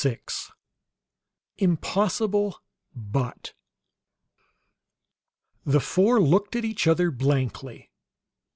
VI Impossible, But The four looked at each other blankly.